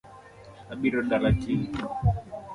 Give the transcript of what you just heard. Abiro dala kiny